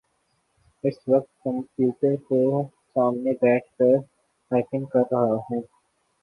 اس وقت کمپیوٹر کے سامنے بیٹھ کر ٹائپنگ کر رہا ہوں۔